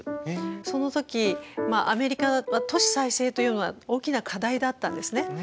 その時アメリカは都市再生というのは大きな課題だったんですね。